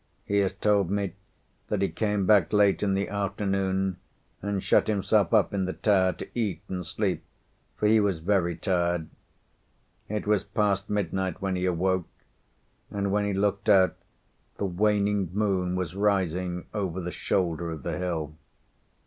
He has told me that he came back late in the afternoon and shut himself up in the tower to eat and sleep, for he was very tired. It was past midnight when he awoke, and when he looked out the waning moon was rising over the shoulder of the hill.